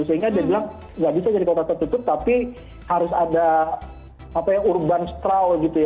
sehingga dia bilang nggak bisa jadi kota tertutup tapi harus ada urban straw gitu ya